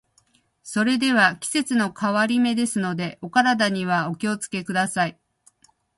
それでは、季節の変わり目ですので、お体にはお気を付けください。